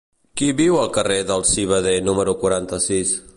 Qui viu al carrer del Civader número quaranta-sis?